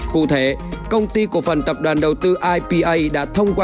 cụ thể công ty của phần tập đoàn đầu tư ipa